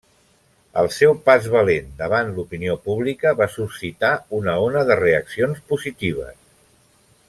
El seu pas valent davant l'opinió pública va suscitar una ona de reaccions positives.